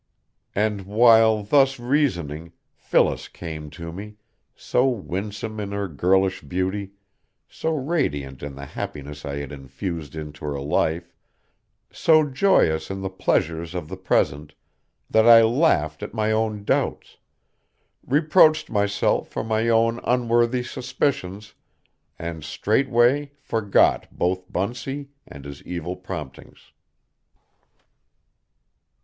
And while thus reasoning Phyllis came to me, so winsome in her girlish beauty, so radiant in the happiness I had infused into her life, so joyous in the pleasures of the present, that I laughed at my own doubts, reproached myself for my own unworthy suspicions, and straightway forgot both Bunsey and his evil promptings.